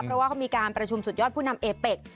เพราะว่าเขามีการประชุมสุดยอดผู้นำเอเป็ก